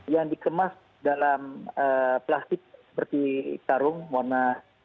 yang dikemas dalam plastik seperti tarung warna